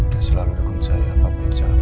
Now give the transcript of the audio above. dan selalu dukung saya apapun yang saya lakukan